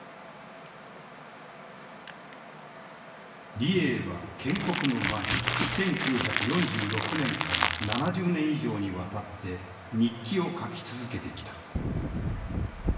李鋭は建国の前１９４６年から７０年以上にわたって日記を書き続けてきた。